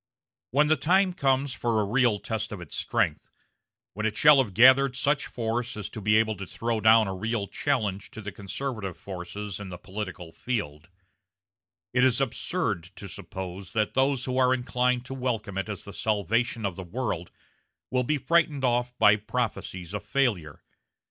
When the time comes for a real test of its strength when it shall have gathered such force as to be able to throw down a real challenge to the conservative forces in the political field it is absurd to suppose that those who are inclined to welcome it as the salvation of the world will be frightened off by prophecies of failure.